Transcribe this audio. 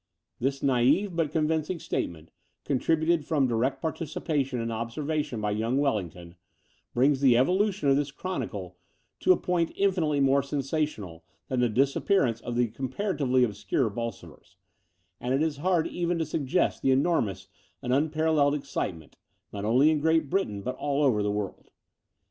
This naive, but convincing statement, contrib uted from direct participation and observation by yotmg Wellingham, brings the evolution of this chronicle to a point infinitely more sensational than the disappearance of the comparatively ob scture Bolsovers; and it is hard even to suggest the enormous and unparalleled excitement, not only in Great Britain, but all over the world.